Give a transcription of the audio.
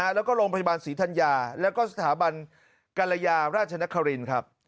แล้วก็โรงพยาบาลศรีธัญญาแล้วก็สถาบันกรยาราชนครินครับ